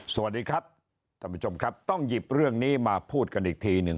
สวัสดีครับท่านผู้ชมครับต้องหยิบเรื่องนี้มาพูดกันอีกทีหนึ่ง